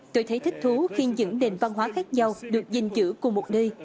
tôi thấy thích thú khi những nền văn hóa khác nhau được gìn giữ cùng một nơi